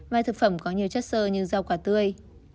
vài thực phẩm có nhiều chất sơ như rau quả tươi